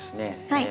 はい。